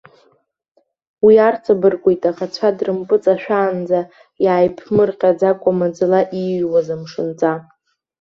Уи арҵабыргуеит аӷацәа дрымпыҵашәаанӡа иааиԥмырҟьаӡакәа маӡала ииҩуаз амшынҵа.